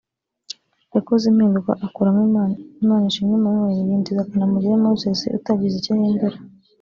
yakoze impinduka akuramo Imanishimwe Emmanuel yinjiza Kanamugire Moses utagize icyo ahindura